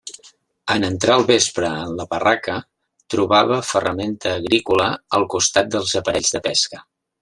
En entrar al vespre en la barraca, trobava ferramenta agrícola al costat dels aparells de pesca.